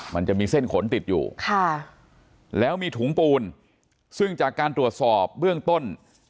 มันจะมีเส้นขนติดอยู่ค่ะแล้วมีถุงปูนซึ่งจากการตรวจสอบเบื้องต้น